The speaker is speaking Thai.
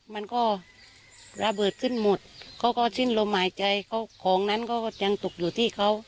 มันก็ระเบิดขึ้นหมดเขาก็สิ้นลมหายใจเขาของนั้นก็ยังตกอยู่ที่เขา